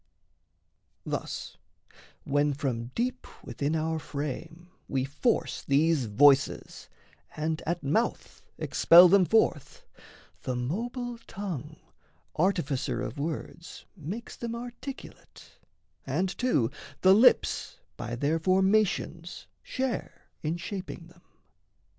Thus, when from deep within our frame we force These voices, and at mouth expel them forth, The mobile tongue, artificer of words, Makes them articulate, and too the lips By their formations share in shaping them.